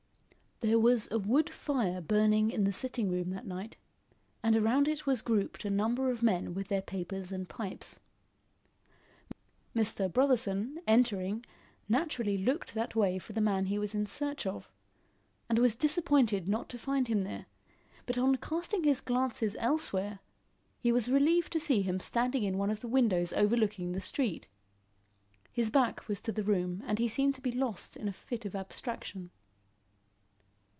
There was a wood fire burning in the sitting room that night, and around it was grouped a number of men with their papers and pipes. Mr. Brotherson, entering, naturally looked that way for the man he was in search of, and was disappointed not to find him there; but on casting his glances elsewhere, he was relieved to see him standing in one of the windows overlooking the street. His back was to the room and he seemed to be lost in a fit of abstraction.